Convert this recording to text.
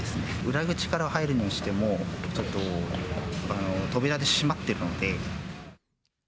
裏口から入るにしても、ちょっと扉で閉まってるので。